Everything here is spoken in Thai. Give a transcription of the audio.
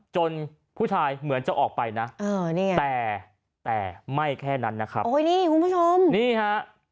ผู้ชายเหมือนจะออกไปนะแต่แต่ไม่แค่นั้นนะครับโอ้ยนี่คุณผู้ชมนี่ฮะ